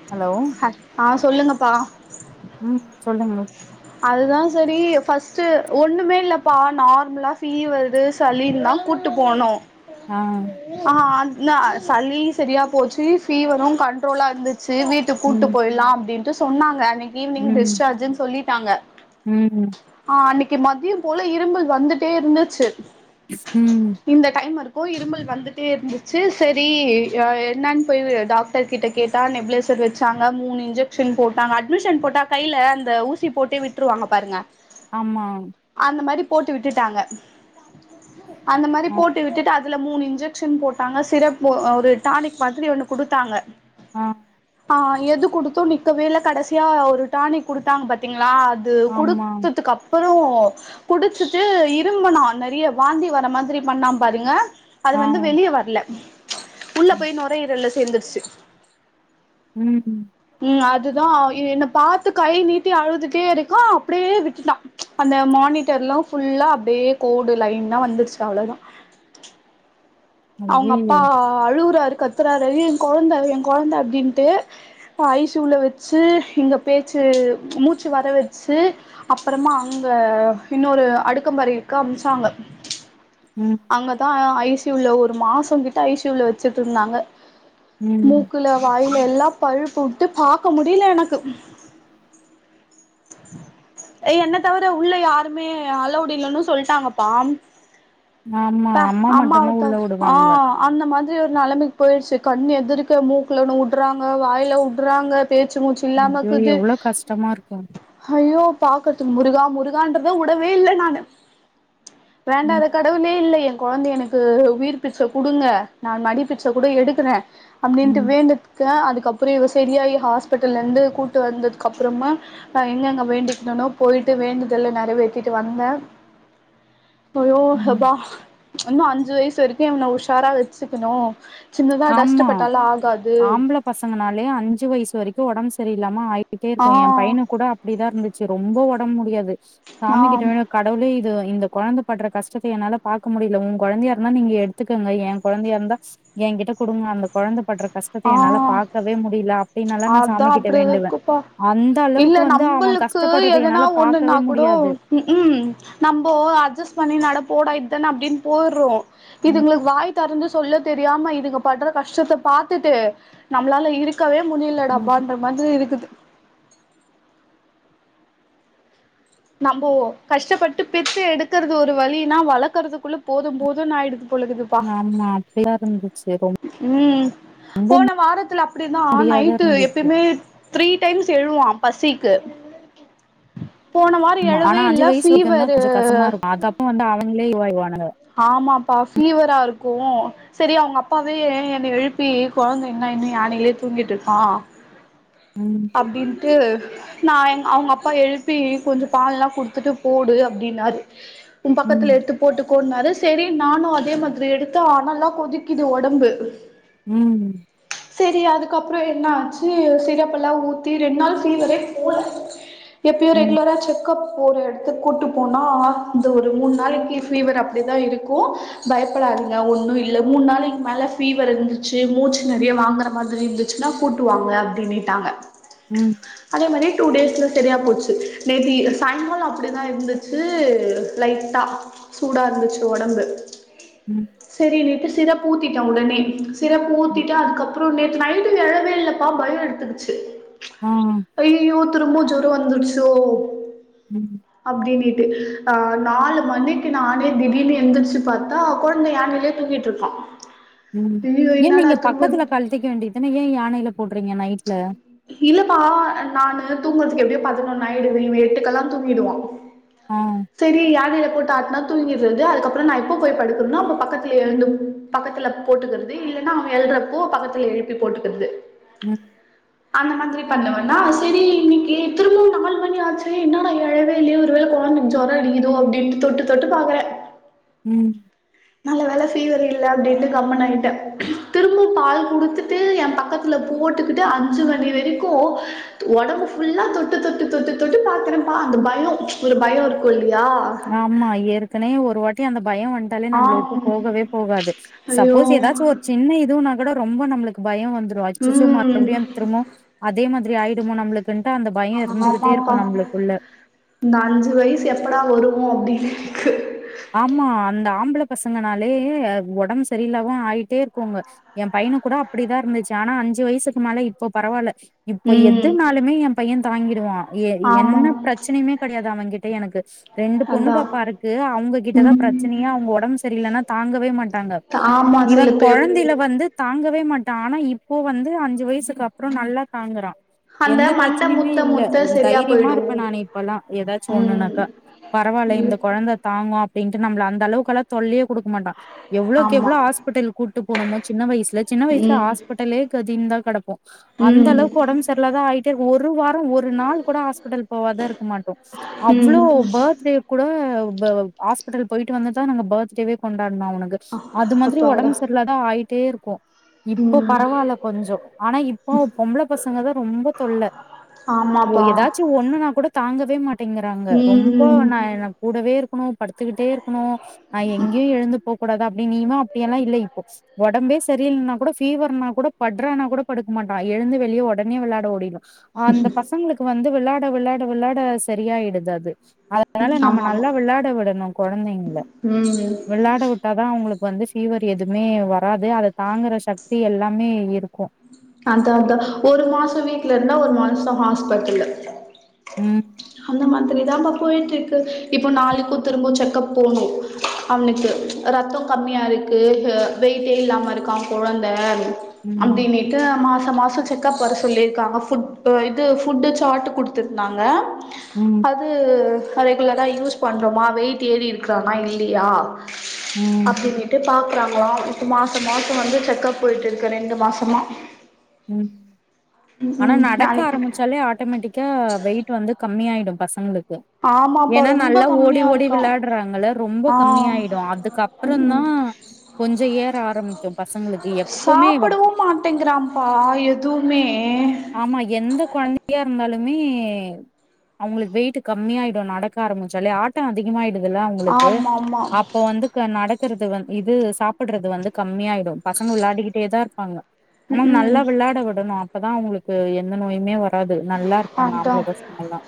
[unintelligible] தொல்லுங்கப்பா உம் சொல்லுங்க மேம் அதுதான் சரி ஃபஸ்ட்டு ஒன்னுமே இல்லப்பா நார்மலா ஃபீவது சளின்னு தான் கூப்ட்டு போனோம் ஆ அஹ ஹான் இல்ல சளி சரியா போச்சு ஃபீவரும் கண்ட்ரோலா இருந்துது சேர் வீட்டு கூட்டு ம் போய்லாம் அப்படின்னு சொன்னாங்க அன்னக் ஈவினிங் டிஸ்சார்ஜ்ன்னு சொல்லி உம்ம் அன்னைக்கு மதியம் போல இரும்புல் வந்துட்டே இருந்துச்சு உம் போய் இரும்மல் வந்துட்டே இருந்துச்சு சரி என்னன்னு போய் டாக்டர் கிட்ட கேட்டா நெபளேசர் வச்சாங்க மூணு இன்ஜெக்க்ஷன் போட்டாங்க அட்மிஷன் போட்டா கைல அந்த ஊசி போட்டே விட்டுருவாங்க பாருங்க ஆமா அந்த மாரி போட்டு விட்டுட்டாங்க அந்த மாதிரி ஆ போட்டு விட்டு அ துல மூணு இன்ஜெக்ஷன் போட்டாங்க சிரப் ஒரு டானிக் மாதிரி ஒண்ணு குடுத்தாங்க ஆஹ் எது குடுத்து நிக்கவேல்ல கடைசியா ஒரு டானிக் குடுத்தாங்க பட் நான் அது ஆமா குடுத்ததுக் அப் அப்புற குடிச்சிட்டு இரும்புனா நெறைய வாந்தி வர மாதிரி பண்ணாம் பாருங்க அது ஆ வந்து வெளிய வரல உள்ள போய் நுரையீரல்ல சிக்கிருந்துச்சு உம் துதா என்ன பாத்து கை நீ ட்டி அழுதுட்டே இருக்கா அப்படியே விட்டுட்டா அந்த மானிட்டர் எல்லா ஃபுல்லா அப்படியே கோடு லைன்லா வந்துருச்சு அவ்ளதா அவுங்க அப்பா ஐயையோ அழுவராரு கத்துறாரு ஐயோ எங் கொழந்த எங் கொழந்த அப்படின்ட்டு ஐ சி யு ல உள்ள வச்சு எங்க பேச்சு மூச்சு வர வச்சு அப்பறமா அங்க இன்னொரு அடுக்கம்பறை இருக்கு அனுப்ச்சாங்க ம் அங்கதா ஐ உள்ள ஒரு மாசங் கிட்ட ஐ சி யு ல வச்சுட்டு இருந்தாங்க ம் மூக்குல வாயு எல்லா பழுப்பு விட்டு பாக்க முடியல எனக்கு ஏ என்ன தவிர உள்ள யாருமே அலவ்டு இல்லன்னு சொல்லிட்டாங்கப்பா ஆமா த அம்மா மட்டுந்தா அம்மாவத்த உள்ள விடுவாங்க ஆஹ் அந்த மாதிரி ஒரு நெலைமைக்கு போயிடுச்சு கண எதிர்க்க மூக்குல ஒன்னு உடறாங்க வாயில உடறாங்க ஐயோ எவ்ள கஷ்டமா இருக்கு ஐயோ பாக்கறதுக்கு முருகா முருகான்ன்றத உடவே இல்ல நானு வேண்டாத ம் கடவுளே இல்லையே கொழந்தை எனக்கு உயிர் பிச்சை குடுங்க நா மடிப்பிச்சை கூட எடுக்கறே அப்படின்ட்டு ம் வேண்டதுக்கு அதுக்கு அதுக்கப்புறம் இவ சரியாயி ஹாஸ்பிட்டல்ல இருந்து கூட்டு வந்ததுக்கு அப்புறமா நா எங்கெங்க வேண்டிக்கிட்டனொ போயிட்டு வேண்டுதல்ல நெறவேத்திட்டு வந்தே ஹயோ ம் ஹப்பா இன்னு அஞ்சு வயசு வரைக்கு இவன உஷாரா வச்சுக்கணு சின்னதா டஸ்ட்டு ஆமா பட்டாலு ஆகாது ஆம்பள பசங்கனாலே அஞ்சு வயசு வரைக்கு ஒடம்பு சரியில்லாமா ஆயி ட்டே ஆ இருக்கு எம் பையனுக்கூட அப்படிதா இருந்துச்சு ரொம்ப வர முடியாது ஆ சாமி கிட்ட வேண்டுவே கடவுளே இது இந்த கொழந்தை படற கஷ்டத்த என்னால பாக்க முடியல உங் கொழந்தையா இருந்தா நீங்க எடுத்துக்கங்க எங் கொழந்தையா இருந்தா எங்கிட்ட கொடுங்க அந்த கொழந்தை பட்ற ஆ கஷ்டத்த என்னால பாக்கவே முடியல அப்டின்னல்லா நா அதா சாமி கிட்ட வேண்டுவே அப்டிருக்குப்பா அந்த இல்ல அளவுக்கு வந்து அவ நம்பளுக்கு கஷ்டப்படுறத எதனா என்னால ஒண்ணுன்னா பாக்கவே கூட முடியாது ம் ம் நம்போ அட்ஜஸ் பண்ணி நட போடா இதானே அப்டின்னு போய்டறோ ம் இதுங்களுக்கு வாய் தெறந்து சொல்ல தெரியாம இதுங்க படுற கஷ்டத்த பாத்துட்டு நம்மளால இருக்கவே ம் ம். முடிலடாப்பான்ற மாதிரி இருக்குது நம்மொ கஷ்டப்பட்டு பெத்து எடுக்கறது ஒரு வலினா வளர்க்குறதுக்குள்ள போது போதுன்ஆயிடுது நாம அப்பள இருந்து உம் போன வாரத்துல அப்படிதா முடியாதா நைட்டு இருந்துச்சு எப்பயுமே த்ரீ டைம்ஸ் எழுவா பசிக்கு போன வாரோ ஆமா ஆனா எழவே இல்ல அஞ்சுவயசு வரைக்குந்தா ஃபீவரு கொஞ்சு கஷ்டமா இருக்கு அதுக்கப்பறோ வந்து அவங்களே இதுவாய்ருவாங்க ஆமா ப்பா ஃபீவரா இருக்கு சரி அவங்க அப்பாவே ஏன் என்னை எழுப்பி கொழந்தை இன்னு என்ன யானையிலயே தூங்கிட்டு இருக்கா ம் அப்படின்ட்டு நா எங் அவங்க அப்பா எழுப்பி கொஞ்சு பால்லா குடுத்துட்டு போடு அப்படின்னாரு உ பக்கத்துல ம் எடுத்து போட்டு சேரி நானு அதே மாதிரி எடுத்த அனல்லா கொதிக்குது ஒடம்பு உம் சரி அதுக்கப்புறோ என்னாச்சு சிரப்பெல்லா ஊத்தி ரெண்டு நாள் ஃபீவரே போல எப்பியூ ம் ரெகுலரா செக்கப் ஒரு எடத்துக்கு கூட்டு போனா ஆ அந்த ஒரு மூணு நாளைக்கு ஃபீவர் அப்படிதா இருக்கு பயப்படாதீங்க ஒன்னு இல்ல மூணு நாளிக்கு மேல ஃபீவர் இருந்துச்சு மூச்சு நெறைய வாங்கற மாதிரி இருந்துச்சுன்னா கூட்டுவாங்க அப்படின்னுட்டாங்க ம் அதே மாறி டூ டேஸ்ல சேரியா போச்சு நேத்தி சாய்ங்காலோ அப்படிதா இருந்துச்சு லைட்டா சூடா இருந்துச்சு ஒடம்பு ம் சரின்னிட்டு சிரப் ஊத்திட்ட உடனே சிரப்பு ம் ஊத்தீட்டு அதுக்கப்ப அப்புறோ நேத்து நைட்டு எழவே இல்லப்பா பயோ எடுத்துக்குச்சு ஆ ஐய்யயோ திரும்பவு ஜொர போட்டு வந்துடுச்சோ ம் அப்படி நீட்டு ஆ நாலு மணி நானே திடீர்னு எந்திரிச்சு பாத்தா கொழந்தே யானையிலயே தூக்கிட்டு இருக்கா உம் ஐயோ ஏன் என்னடா நீங்க திரும்ப பக்கத்துல கழட்டிக்க வேண்டியதுன்னா ஏன் யானையில போட்டு எப்பிடிங்க நைட்ல இல்லப்பா நானு தூங்குறதுக்கு எப்படியோ பதினொன்னு ஆயிடுது இவன் எட்டுக்கெல்லா தூங்கிடுவா ஆ சரி யார்ல போடு காட்டனா தூங்கிறது அதுக்கப்புறம் நான் இப்போ போய் படுக்கணும்னா அப்ப பக்கத்துல எழு பக்கத்துல போட்டுக்கிறது இல்லைன்னா அவன் எழுறப்போ பக்கத்துல எழுப்பி போட்டுக்கிறது உம் அந்த மாதிரி பண்ணுவன்னா செரி இன்னைக்கு திரும்ப நாலு மணியாச்சே என்னடா ஏழவேலயே ஒருவேளை குழந்தைக்கு ஜொரம் அடிக்குதோ அப்படின்ட்டு தொட்டு தொட்டு பாக்குறேன் உம் நல்ல வேல ஃபீவர் இல்ல அப்படின்ட்டு கம்மன்னு ஆகிட்டேன். திரும்ப பால் கொடுத்துட்டு என் பக்கத்துல போட்டுக்கிட்டு அஞ்சு மணி வரைக்கும் உடம்பு ஃபுல்லா தொட்டு தொட்டு தொட்டு தொட்டு பார்க்குறேன்ப்பா அந்த பயம் ஒரு பயம் இருக்கும் ஆமா ஏற்கனவே ஒருவாட்டி அந்த பயம் வண்டாலே நம்மள விட்டு ஆ போகவே போகாது. ஐயோ சப்போஸ் ஏதாச்சும் ஒரு சின்ன இதுனா கூட ரொம் ரொம்ப நம்மளுக்கு பய வந் [unintelligible] அச்ச்சோ ம் மறுபடியு திருமோ அதே மாத் த்ரி ஆய்யிடுமோ நம்ப்ளுக்கு ஆ ஆமாப்பா இந்த அஞ்சு வயசு எப்படா வரு ஒ அப்டி இருக்கு ஆமா அந்த ஆம்பள பசங்கனாலே அத் ஒடம் சரியில்லாம ஆயிட்டே இருக்கோங்க எ பையனுக் கூட அப்படிதா இருந்துச்சு ஆனா அஞ்சு வய்சுக்கு மேல இப்போ பரவால்ல இப்ப ம் எதுனாலுமே எ பையன் தாங்கிடுவா எய் ஆமா என்ன பிரச்சனையுமே கடையாது அவன்கிட்ட எனக்கு ரெண்டு பொண்ணு அதா பாப்பா இருக்கு அவுங்க இதுதா ம் ப்ரெச்சனையா அவுங்க ஒடம் சரியில்லன்னா தாங்கவே மாட்டாங்க ஆமா இவ சில பேர் கொழந்தையில வந்து தாங்க இருக்கவே மாட்டா ஆனா இப்போ வந்து அஞ்சு வயசுக்கு அப்புறோ நல்லா தாங்குறா அந்த எந்த மண்ட ப்ரச்சனியுமே முத்த இல்ல முத்த உ ம் சரியா தைரிய்மா போயிடு இருப்பே நானு இப்பலா எதாச்சு ம் ஒன்னுனாக்கா பரவால்ல இந்த ம் கொழந்த தாங்கு அப் அப்டின்ட்டு நம்மள அந்த அளவுகெல்லா தொல்லையே கொடுக்க மாட்டா எவ்ளோக்கு ஆமா எவ்ளோ ஹாஸ்பிட்டல் கூட் [unintelligible] இப்போ நம்ப சின்ன வயசு இந்த சின்ன வயசுல ம் ஹாஸ்பிட்டலே கட் [unintelligible] தா கடப்போ அந்த ம் அளவுக்கு ஒடம்பு சரியில்லாத ஆயிட் ஏ ஒரு வார் ஒரு நாள் கூட ஹாஸ்பிட்டல் போவாத இருக்க மாட்டோ ம் அவ்ளோ பர்த்டே கூட நம்ப பாஸ் [unintelligible] போயிட்டு வந்துதான் நாங்க பத்டேவே கொண்டா நா உனுக்கு அது மாதிரி அப்பாடா ஒடம்பு சரியிலாத ஆயி தே இருக்கு இப்ப ம் பரவாயில்ல கொஞ்சம் ஆனா இப்ப பொம்பள பசங்க தான் ரொம்ப தொல்ல ஓ ஆமாப்பா ஏதாச்சும் ஒண்ணுனா கூட தாங்க வே மட் டங்கறாங்க ரொம்ப ம் நா நா கூடவே அ படுத் கத்துக்கிட்டே இருக்கணும் ஆஹ் எங்கேயும் எழுந்து போ கூடாத அப்படி நீமா அப்படியெல்லாம் இல்ல இப்போ ஒடம்பே சரியில்னா கூட பீவர்னா கூட படுறனா கூட படுக்க மாட்டா எழுந்து வெளியே உடனே விளாட ஓடிரு அந்த பசங்களுக்கு வந்து வெளாட வெளாட விளாட ஹா சரியாயிடுது அது அதனால நம்ம ஆமா ஆமா நல்லா வெளாட விடணும் கொழந்தைங்கள ம் விளாட விட்டாதான் அவங்களுக் வந்து ஃபீவர் எதுவுமே வராது அத தாங்குற சக்தி எல்லாமே இருக்கும் அதா அதா ஒரு மாசம் வீட்டுல இருந்தா ஒரு மாசம் ஹாஸ்பிட்டலு உம் அந்த மாதிரி தான்ப்ப போயிட்டு இருக்கு இப்போ நாளைக்கும் திரும்ப செக்கப் போணும் அவனுக்கு ரத்தம் கம்மியா இருக்கு அ வெயிட்டே இல்லாம இருக்கான் கொழந்த ம். அப்படின்னிட்டு அமா அந்த மாசம் செக்கப் வர சொல்லிருக்காங்க ஃபுட் அ இது ஃபுட்டு சார்ட் குடுத்திருந்தாங்க ம். அது அது ரெகுலராக யூஸ் பண்றோமா வெயிட் ஏறி இருக்கிறானா இல்லையா ம், அப்படின்னுட்டு பாக்குறாங்களாம் இப்ப மாசம் மாசம் வந்து செக்கப் போயிட்டு இருக்கேன் ரெண்டு மாசமா உம் ம் ஆனா ம் நடக்க நாளைக்கு ஆரம்பிச்சாலே ஆட்டோமேட்டிக்கா வெயிட் வந்து கம்மி ஆய் ப பசங்களுக் கு ஆமாப்பா ஏன்னா ரொம்ப நல்லா ஓடி கம்மியா ஓடி இருக்கான் விளயாடுறாங்கல ரொம்ப ஆ கம்மியாயிடும் ம் ம் அதுக்கப்புறம்தான் கொஞ்சம் ஏற ஆரம்பிக்கும் பசங்களுக்கு எப்பவுமே வ சாப்பிடவு மாட்டேங்கிறான்ப்பா எதுவுமே ஆமா எந்த கொழந்தையா இருந்தாலும் மே அவங்களுக்கு வெயிட் கம்மியாயிடும் நடக்க ஆரம்பிச்சாலே ஆட்டம் அதிகமாயிடும் துல்ல அங்களுக்கு ஆமா ஆமா அப்ப வந்து க நடக் க்குறது வந் இது சாப்பிடடுறது வந்து கம்மியாட் டு பசங்க விளாடிட்டே தான் வாங்க ம் அம் நல்லா ம் விளையாட விடணும் அப்பதான் அவங்களுக்கு எந்த நோயுமே வ ராது நல்லா இருப்பாங்க அதா ஆம்பள பசங்கெல்லாம்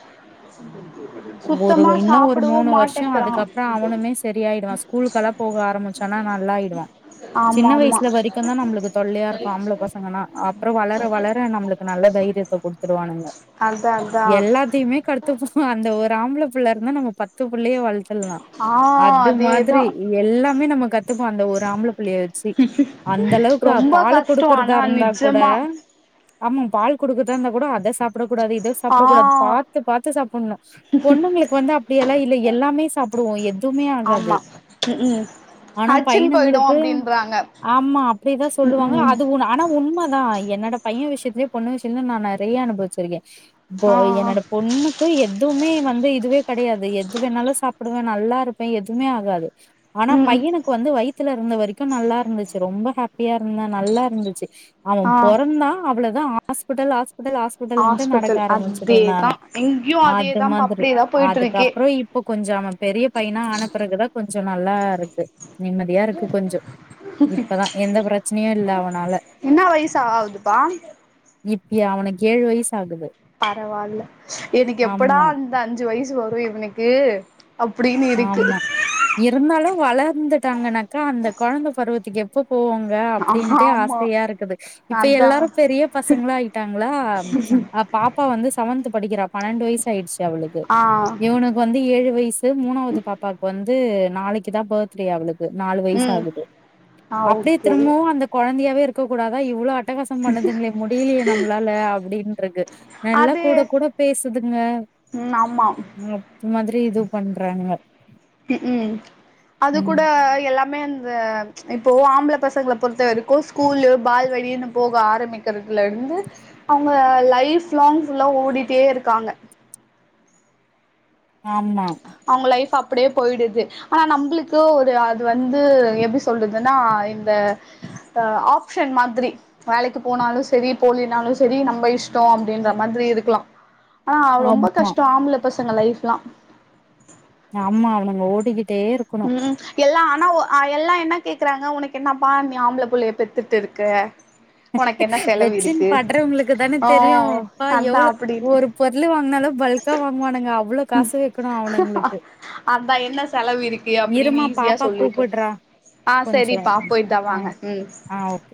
ஒரு சுத்தமா இன்னும் ஒரு சாப்பிடவு மூணு வருஷம் மாட்டேங்கிறா அதுக்கப்பறம் அவனுமே சரியாயிடுவான் ஸ்கூலுகெல்லாம் போக ஆரம்பிச்சனா நல்லா ஆயிடுவான் சின்ன ஆமா ஆமா வயசுல வரைக்கும் தான் நம்மளுக்கு தொல்லையா இருக்கும் ஆம்பள பசங்கனா அப்புறம் வளர வளர நம்மளுக்கு நல்ல தைரியத்த கொடுத்துருவானுங்க அதா அதா எல்லாத்துயுமே கத் [unintelligible] அந்த ஒரு ஆம்பள புள்ள இருந்தா நம்ம பத்து புள்ளைய வளர்த்தர்லாம் ஆ அது மாதிரி அதேதா எல்லாமே நம்ம கத்துப்போம் அந்த ஒரு ஆம்பளை புள்ளைய வெச்சு அந்த அளவுக்கு ரொம்ப பால் கஷ்டோ கொடுக்கறதா ஆனா இருந்தா கூட நிஜமா ஆமா பால் கொடுக்கறதா இருந்த கூட அத சாப்பிட கூடாது இத ஆ சாப்பிடக்கூடாது பாத்து பாத்து சாப்புனும் பொண்ணுங்களுக்கு வந்து அப்படியெல்லாம் இல்ல எல்லாமே சாப்பிடுவோம் எதுவுமே ஆகாது ஆமா ம் ம் ஆனா அடிச்சுன்னு போயிடு பையனங்களுக்கு அப்டின்றாங்க ஆமா அப்படிதான் ம் சொல்லுவாங்க ம் அது உ ஆனா உண்ம தான் என்னட பையன் விஷயத்திலயே பொண்ணு விஷயத்திலயே நான் நெறய அனுபவிச்சிருக்கேன் இப்போ ஆ என்னோட பொண்ணுக்கு எதுமே வந்த இதுவே கெடயாது எது வேணாலும் சாப்பிடுவேன் நல்லா இருப்பேன் எதுமே ஆகாது ஆனா ம் பையனுக்கு வந்து வைத் துல இருந்த வரைக்கும் நல்லா இருந்துச்சு ரொம்ப ஹாப்பியா இருந்தேன் நல்லா இருந்துச்சு அவன் ஆ பொறந்தான் [unintelligible] ஹஸ்பிட்டல் ஹாஸ் ஹாஸ்பிடல் ஹாஸ்பிடல்ன்ட்டு நடக்க ஹாஸ்பிட்டல் ஆரம்பிச்சுட்டேன் அதேதா நானு இங்கேயு அது அதேதான்ப்பா மாதிரி அப்டியேதா போயிட்டு இருக்கே அதுக்கப்பறம் இப்ப கொஞ்சம் அவன் பெரிய பையனா ஆனாப்பிறகுதான் கொஞ்ச கொஞ்சம் நல்லா இருக்கு நிம்மதியா இருக்கு கொஞ்சம் இப்பதான் எந்த பிரச்சனையும் இல்ல அவனால என்ன வயசு ஆகுதுப்பா இப்பயா அவனுக்கு ஏழு வயசு ஆகுது பரவாயில்ல எனக்கு எப்படா ஆமா அந்த அஞ்சு வயசு வரு [unintelligible] இவனுக்கு அப்படின்னு இருக்கு வளர்ந்துட்டாங்கன்னாக்கா அந்த கொழந்தை பருவத்துக்கு எப்போ போவாங்க அப்படின்ட்டு ஆமா ஆசையா இருக்குது இப்ப அதா எல்லாரும் பெரிய பசங்கள ஆயிட்டாங்களா பாப்பா வந்து செவன்த் படிக்கிறா பனென்டு வயசு ஆயிடுச்சு அவளுக்கு ஆ இவனுக்கு வந்து ஏழு வயசு மூணாவது பாப்பாக்கு வந்து து நாளைக்கிதா பிர்த்டே அவளுக் து நாலு வயிஸ் ம் ஆகுது ஆ அப்டியே ஓகே திரும்பவு அந்த கொழந்தையாவே இரு துக் கூடாத இவ்ளோ அ ட்டகாசம் பண்ணுதுங்ளே முடியீலியே நம்ளால அப்டின்ருக்கு நல்லா அது கூட கூட பேசுதுங்கா ம் ஆமா ம் [unintelligible] [unintelligible] பண்றாங்க க்ம்க் அது கூட ம் எல்லா மே அந்த ச்ச இப்போ ஆம்பள பசங்கள பொறுத்த வெரிக்கோ ஸ்கூல்லு பால்வடி இன்னு போக ஆரம்மிக்கிறதுல இந்து அவுங்க லைஃப் லாங் ஃபுல்லா ஓடிட்டே இருக்காங்க ஆமா பிடே போயிடுது ஆனா நம்புளுக்கு ஒரு அது வந்து எப்டி சொல்றதுனா இந்த ஆ ஆப்ஷன் மாதிரி வேலைக்கு போனாலு செரி போலினாலு செரி நம்ப இஷ்டோ அப்டின்ற மாத்ரி இருக்லா ஆனா ரொம்ப ஆமா கஷ்டோ ஆம்பள பசங்க லைஃப்லா ஆமா அவுனுங்க ஓடிக்கி ட்டே இருக்குணு ம் எல்லா ஆனா ஒ ஆ எல்லா என்னா கேக்குறாங்க உனக்கு என்னாப்பா நீ ஆம்புல புள்ளைய பெத்துட் இருக்கா வெச்சின் பட்றவுங்குளுக்கு தானே ஓ தெரியு பா அதா எவ்ளோ அப்டின்னு ஒரு பொருள் வாங்னாலு பல்க்கா வாங்வானுங்க அவ்ளோ காசு வெக்கணு அவுனுங்குளுக்கு அதா என்ன செலவு இருக்கு அப்டின்னு ஈஸியா சொல்லிட்டு ஆ கொஞ்சோ சேரிப்பா போயிட்டா ஆ வாங்க ம் ஆ ஓகே